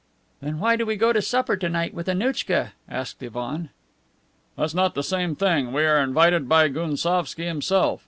"Then why do we go to supper tonight with Annouchka?" asked Ivan. "That's not the same thing. We are invited by Gounsovski himself.